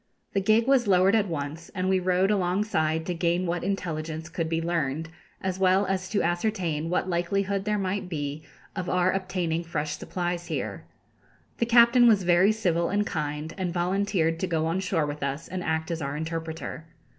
The gig was lowered at once, and we rowed alongside to gain what intelligence could be learned, as well as to ascertain what likelihood there might be of our obtaining fresh supplies here. The captain was very civil and kind, and volunteered to go on shore with us and act as our interpreter.